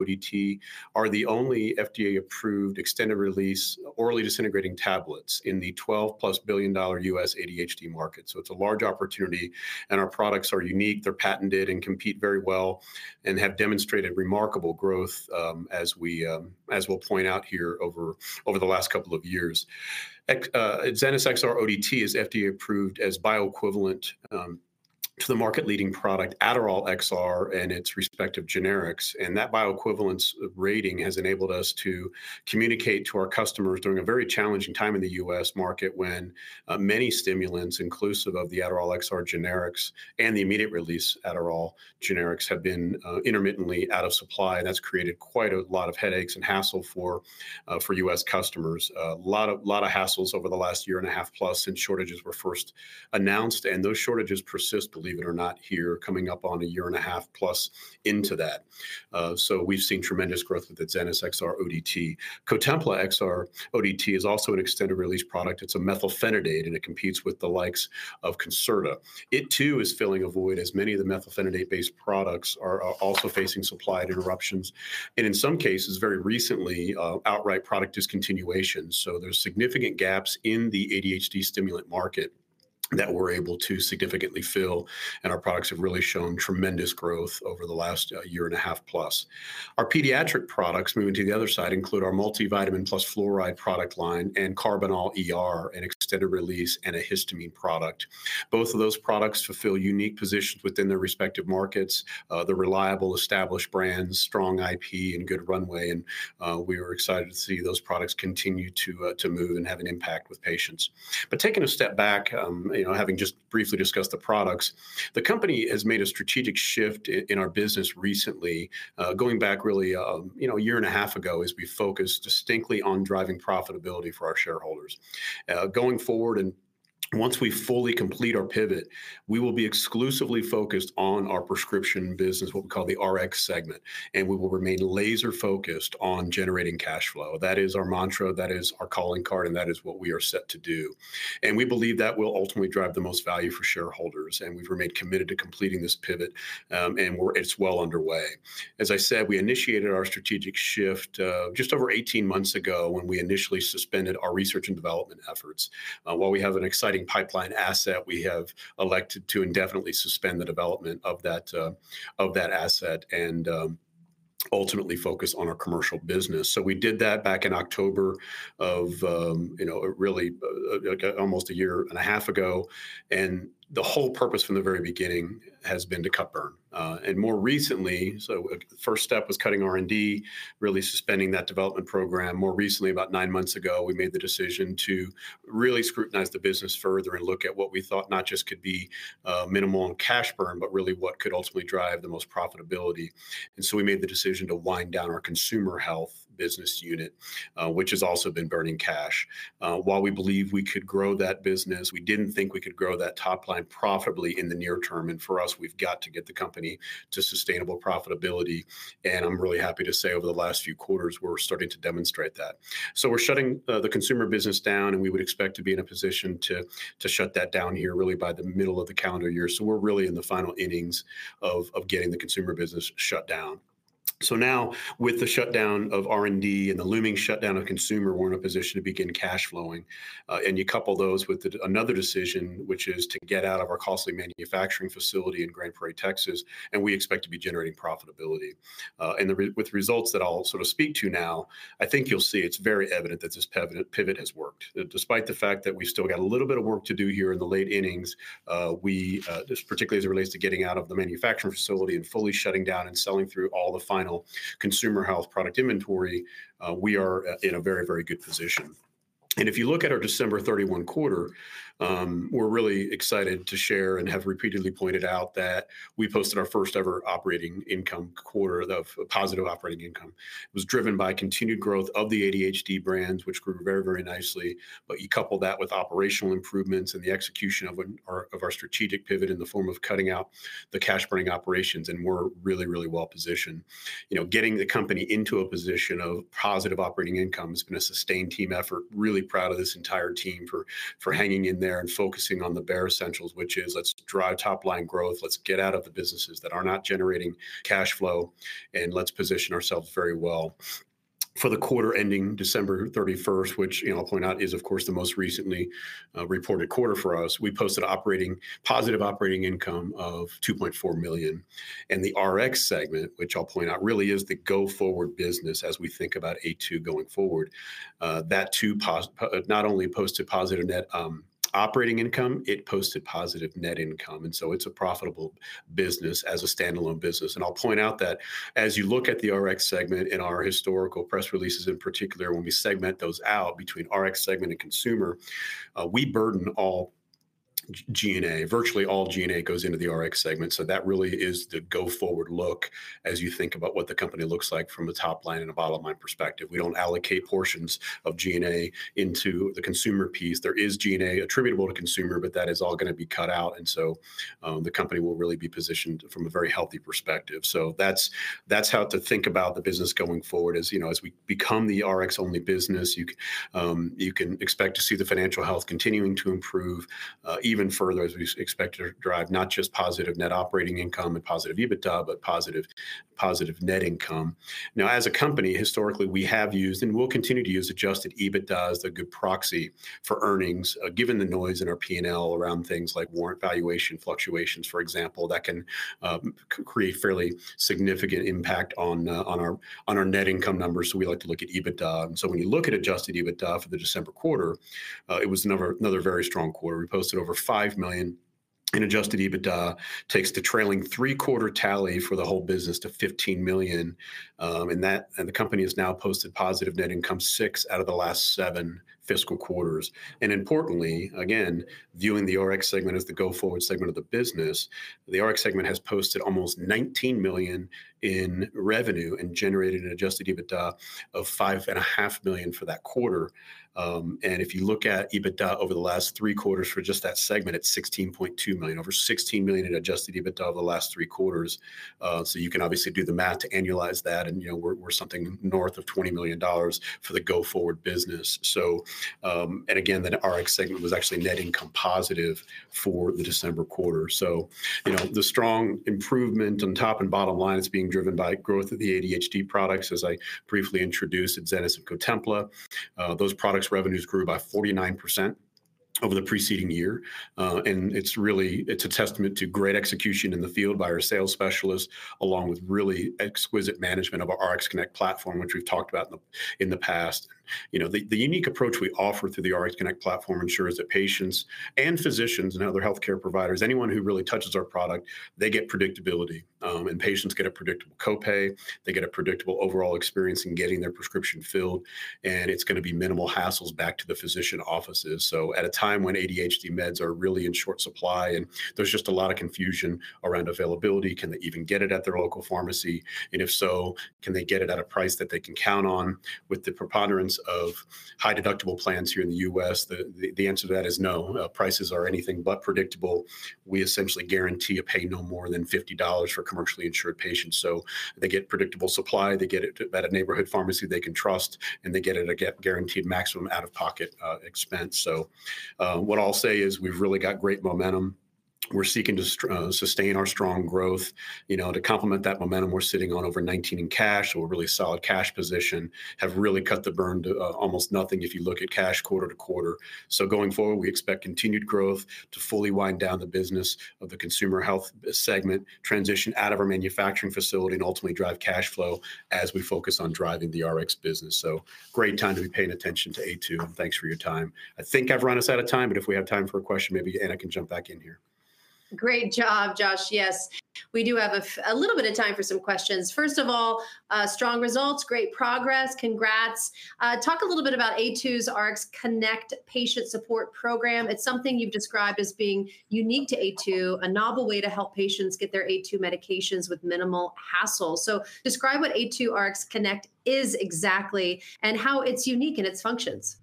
ODT are the only FDA-approved extended-release orally disintegrating tablets in the $12+ billion US ADHD market. So it's a large opportunity, and our products are unique. They're patented and compete very well, and have demonstrated remarkable growth, as we'll point out here over the last couple of years. ADZENYS XR-ODT is FDA-approved as bioequivalent to the market-leading product Adderall XR and its respective generics. And that bioequivalence rating has enabled us to communicate to our customers during a very challenging time in the US market when many stimulants, inclusive of the Adderall XR generics and the immediate-release Adderall generics, have been intermittently out of supply. And that's created quite a lot of headaches and hassle for US customers. A lot of hassles over the last year and a half plus since shortages were first announced. Those shortages persist, believe it or not, here, coming up on a year and a half plus into that. So we've seen tremendous growth with the ADZENYS XR-ODT. COTEMPLA XR-ODT is also an extended-release product. It's a methylphenidate, and it competes with the likes of Concerta. It, too, is filling a void as many of the methylphenidate-based products are also facing supply interruptions. And in some cases, very recently, outright product discontinuation. So there's significant gaps in the ADHD stimulant market that we're able to significantly fill, and our products have really shown tremendous growth over the last year and a half plus. Our pediatric products, moving to the other side, include our multivitamin plus fluoride product line and Karbinal, an extended-release antihistamine product. Both of those products fulfill unique positions within their respective markets; they're reliable, established brands, strong IP, and good runway. We are excited to see those products continue to move and have an impact with patients. But taking a step back, you know, having just briefly discussed the products, the company has made a strategic shift in our business recently, going back really, you know, a year and a half ago as we focused distinctly on driving profitability for our shareholders going forward, and once we fully complete our pivot, we will be exclusively focused on our prescription business, what we call the Rx Segment, and we will remain laser-focused on generating cash flow. That is our mantra. That is our calling card. And that is what we are set to do. And we believe that will ultimately drive the most value for shareholders. And we've remained committed to completing this pivot, and we're, it's well underway. As I said, we initiated our strategic shift just over 18 months ago when we initially suspended our research and development efforts. While we have an exciting pipeline asset, we have elected to indefinitely suspend the development of that asset and ultimately focus on our commercial business. So we did that back in October of, you know, really, like, almost a year and a half ago. The whole purpose from the very beginning has been to cut burn. More recently, the first step was cutting R&D, really suspending that development program. More recently, about nine months ago, we made the decision to really scrutinize the business further and look at what we thought not just could be minimal on cash burn, but really what could ultimately drive the most profitability. And so we made the decision to wind down our consumer health business unit, which has also been burning cash. While we believe we could grow that business, we didn't think we could grow that top line profitably in the near term. For us, we've got to get the company to sustainable profitability. And I'm really happy to say over the last few quarters, we're starting to demonstrate that. So we're shutting the consumer business down, and we would expect to be in a position to shut that down here really by the middle of the calendar year. So we're really in the final innings of getting the consumer business shut down. So now, with the shutdown of R&D and the looming shutdown of consumer, we're in a position to begin cash flowing. and you couple those with another decision, which is to get out of our costly manufacturing facility in Grand Prairie, Texas, and we expect to be generating profitability. And there, with results that I'll sort of speak to now, I think you'll see it's very evident that this pivot has worked. Despite the fact that we've still got a little bit of work to do here in the late innings, we, this particularly as it relates to getting out of the manufacturing facility and fully shutting down and selling through all the final consumer health product inventory, we are, in a very, very good position. And if you look at our December 31 quarter, we're really excited to share and have repeatedly pointed out that we posted our first-ever operating income quarter of positive operating income. It was driven by continued growth of the ADHD brands, which grew very, very nicely. But you couple that with operational improvements and the execution of one of our strategic pivot in the form of cutting out the cash-burning operations, and we're really, really well positioned. You know, getting the company into a position of positive operating income has been a sustained team effort. Really proud of this entire team for, for hanging in there and focusing on the bare essentials, which is, let's drive top-line growth. Let's get out of the businesses that are not generating cash flow, and let's position ourselves very well. For the quarter ending December 31st, which, you know, I'll point out is, of course, the most recently reported quarter for us, we posted positive operating income of $2.4 million. The Rx segment, which I'll point out really is the go-forward business as we think about Aytu going forward, that too not only posted positive net operating income, it posted positive net income. And so it's a profitable business as a standalone business. And I'll point out that as you look at the Rx segment and our historical press releases in particular, when we segment those out between Rx segment and consumer, we burden all G&A. Virtually all G&A goes into the Rx segment. So that really is the go-forward look as you think about what the company looks like from a top line and a bottom line perspective. We don't allocate portions of G&A into the consumer piece. There is G&A attributable to consumer, but that is all going to be cut out. And so, the company will really be positioned from a very healthy perspective. So that's how to think about the business going forward is, you know, as we become the Rx-only business, you can expect to see the financial health continuing to improve, even further as we expect to drive not just positive net operating income and positive EBITDA, but positive net income. Now, as a company, historically, we have used and will continue to use adjusted EBITDA as a good proxy for earnings, given the noise in our P&L around things like warrant valuation fluctuations, for example, that can create fairly significant impact on our net income numbers. So we like to look at EBITDA. And so when you look at adjusted EBITDA for the December quarter, it was another very strong quarter. We posted over $5 million. And adjusted EBITDA takes the trailing three-quarter tally for the whole business to $15 million. And the company has now posted positive net income six out of the last seven fiscal quarters. And importantly, again, viewing the Rx segment as the go-forward segment of the business, the Rx segment has posted almost $19 million in revenue and generated an Adjusted EBITDA of $5.5 million for that quarter. And if you look at EBITDA over the last three quarters for just that segment, it's $16.2 million, over $16 million in Adjusted EBITDA over the last three quarters. So you can obviously do the math to annualize that. And, you know, we're something north of $20 million for the go-forward business. And again, the Rx segment was actually net income positive for the December quarter. So, you know, the strong improvement on top and bottom line, it's being driven by growth of the ADHD products. As I briefly introduced at Adzenys and Cotempla, those products' revenues grew by 49% over the preceding year. It's really it's a testament to great execution in the field by our sales specialists, along with really exquisite management of our RxConnect platform, which we've talked about in the past. You know, the unique approach we offer through the RxConnect platform ensures that patients and physicians and other healthcare providers, anyone who really touches our product, they get predictability. And patients get a predictable copay. They get a predictable overall experience in getting their prescription filled. And it's going to be minimal hassles back to the physician offices. So at a time when ADHD meds are really in short supply and there's just a lot of confusion around availability, can they even get it at their local pharmacy? If so, can they get it at a price that they can count on with the preponderance of high-deductible plans here in the US? The answer to that is no. Prices are anything but predictable. We essentially guarantee a pay no more than $50 for commercially insured patients. So they get predictable supply. They get it at a neighborhood pharmacy they can trust, and they get it at a guaranteed maximum out-of-pocket expense. So, what I'll say is we've really got great momentum. We're seeking to sustain our strong growth. You know, to complement that momentum we're sitting on over $19 million in cash, so we're a really solid cash position, have really cut the burn to almost nothing if you look at cash quarter to quarter. Going forward, we expect continued growth to fully wind down the business of the consumer health segment, transition out of our manufacturing facility, and ultimately drive cash flow as we focus on driving the RX business. Great time to be paying attention to A2. Thanks for your time. I think I've run us out of time, but if we have time for a question, maybe Anna can jump back in here. Great job, Josh. Yes. We do have a little bit of time for some questions. First of all, strong results, great progress. Congrats. Talk a little bit about Aytu's RxConnect patient support program. It's something you've described as being unique to Aytu, a novel way to help patients get their Aytu medications with minimal hassles. So describe what Aytu RxConnect is exactly and how it's unique in its functions.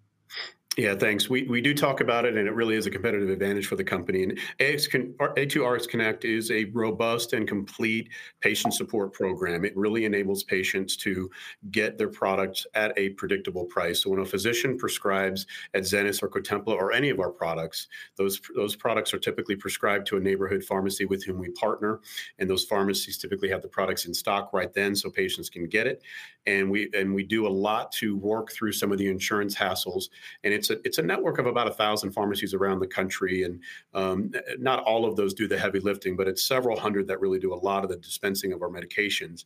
Yeah, thanks. We do talk about it, and it really is a competitive advantage for the company. And A2Rx Connect is a robust and complete patient support program. It really enables patients to get their products at a predictable price. So when a physician prescribes Adzenys or Cotempla or any of our products, those products are typically prescribed to a neighborhood pharmacy with whom we partner. And those pharmacies typically have the products in stock right then so patients can get it. And we do a lot to work through some of the insurance hassles. And it's a network of about 1,000 pharmacies around the country. And, not all of those do the heavy lifting, but it's several hundred that really do a lot of the dispensing of our medications.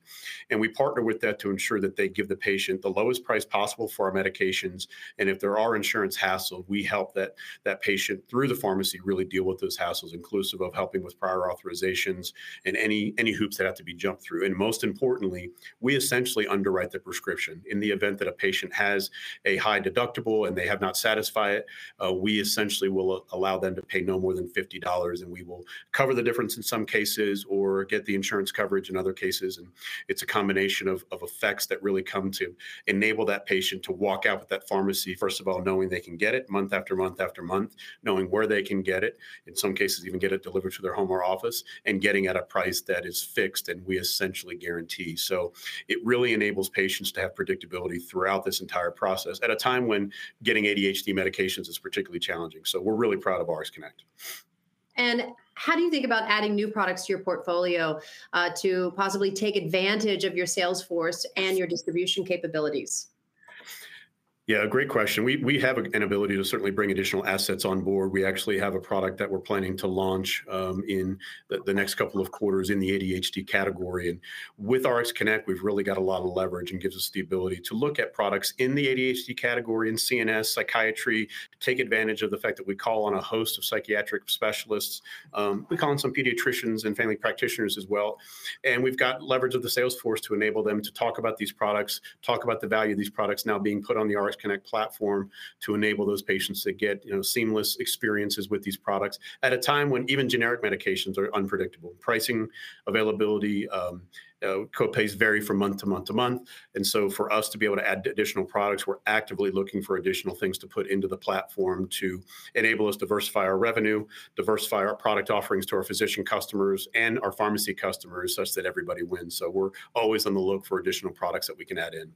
And we partner with that to ensure that they give the patient the lowest price possible for our medications. And if there are insurance hassles, we help that patient through the pharmacy really deal with those hassles, inclusive of helping with prior authorizations and any hoops that have to be jumped through. And most importantly, we essentially underwrite the prescription. In the event that a patient has a high deductible and they have not satisfied it, we essentially will allow them to pay no more than $50. And we will cover the difference in some cases or get the insurance coverage in other cases. It's a combination of effects that really come to enable that patient to walk out with that pharmacy, first of all, knowing they can get it month after month after month, knowing where they can get it, in some cases even get it delivered to their home or office, and getting at a price that is fixed and we essentially guarantee. It really enables patients to have predictability throughout this entire process at a time when getting ADHD medications is particularly challenging. So we're really proud of RxConnect. How do you think about adding new products to your portfolio, to possibly take advantage of your sales force and your distribution capabilities? Yeah, great question. We have an ability to certainly bring additional assets on board. We actually have a product that we're planning to launch in the next couple of quarters in the ADHD category. And with RxConnect, we've really got a lot of leverage and gives us the ability to look at products in the ADHD category in CNS, psychiatry, take advantage of the fact that we call on a host of psychiatric specialists. We call on some pediatricians and family practitioners as well. And we've got leverage of the sales force to enable them to talk about these products, talk about the value of these products now being put on the RxConnect platform to enable those patients to get, you know, seamless experiences with these products at a time when even generic medications are unpredictable. Pricing, availability, copays vary from month to month to month. For us to be able to add additional products, we're actively looking for additional things to put into the platform to enable us to diversify our revenue, diversify our product offerings to our physician customers and our pharmacy customers such that everybody wins. We're always on the lookout for additional products that we can add in.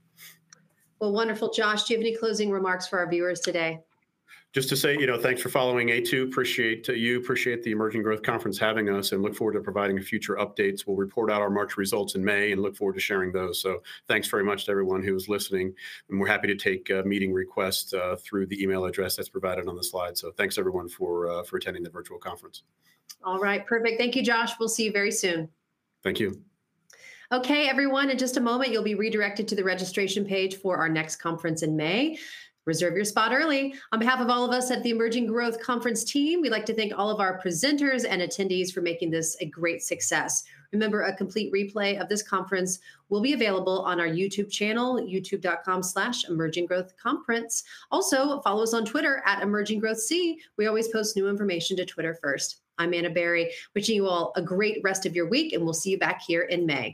Well, wonderful, Josh. Do you have any closing remarks for our viewers today? Just to say, you know, thanks for following A2. Appreciate you. Appreciate the Emerging Growth Conference having us and look forward to providing future updates. We'll report out our March results in May and look forward to sharing those. So thanks very much to everyone who was listening. And we're happy to take meeting requests through the email address that's provided on the slide. So thanks, everyone, for attending the virtual conference. All right. Perfect. Thank you, Josh. We'll see you very soon. Thank you. Okay, everyone. In just a moment, you'll be redirected to the registration page for our next conference in May. Reserve your spot early. On behalf of all of us at the Emerging Growth Conference team, we'd like to thank all of our presenters and attendees for making this a great success. Remember, a complete replay of this conference will be available on our YouTube channel, youtube.com/emerginggrowthconference. Also, follow us on Twitter @emerginggrowthc. We always post new information to Twitter first. I'm Anna Berry. Wishing you all a great rest of your week, and we'll see you back here in May.